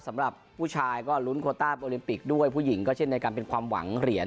สำหรับผู้ชายก็ลุ้นโคต้าโอลิมปิกด้วยผู้หญิงก็เช่นในการเป็นความหวังเหรียญ